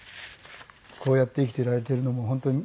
こうやって生きていられてるのも本当に。